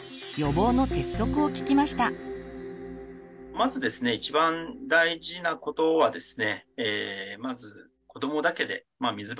まずですね一番大事なことはですね